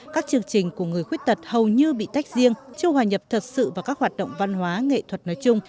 các chương trình của người khuyết tật hầu như bị tách riêng chưa hòa nhập thật sự vào các hoạt động văn hóa nghệ thuật nói chung